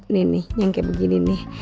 nih nih yang kayak begini nih